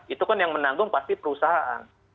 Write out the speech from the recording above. itu kan yang menanggung pasti perusahaan